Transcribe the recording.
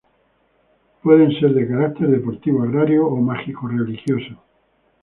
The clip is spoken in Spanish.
Pueden ser de carácter deportivo, agrario o mágico-religioso.